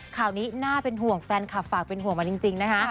ข่าวนี้น่าเป็นห่วงแฟนคลับฝากเป็นห่วงมาจริงนะคะ